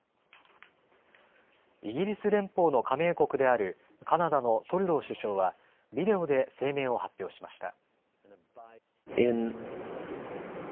イギリス連邦の加盟国であるカナダのトルドー首相はビデオで声明を発表しました。